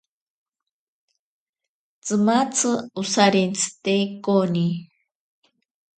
Tsimatzi osarentsite koni.